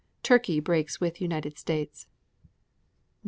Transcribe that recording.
Turkey breaks with United States.